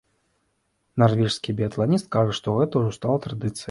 Нарвежскі біятланіст кажа, што гэта ўжо стала традыцыяй.